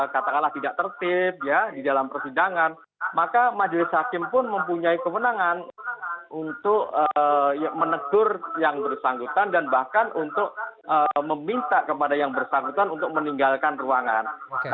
katakanlah tidak tertib ya di dalam persidangan maka majelis hakim pun mempunyai kemenangan untuk menegur yang bersangkutan dan bahkan untuk meminta kepada yang bersangkutan untuk meninggalkan ruangan